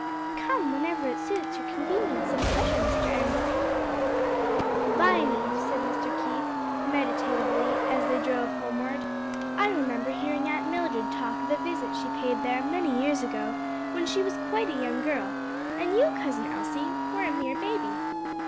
"Come whenever it suits your convenience and pleasure, Mr. February." "Viamede!" said Mr. Keith, meditatively, as they drove homeward. "I remember hearing Aunt Mildred talk of a visit she paid there many years ago, when she was quite a young girl, and you, Cousin Elsie, were a mere baby."